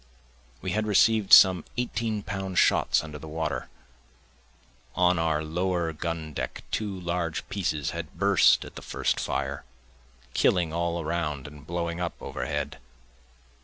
We had receiv'd some eighteen pound shots under the water, On our lower gun deck two large pieces had burst at the first fire, killing all around and blowing up overhead.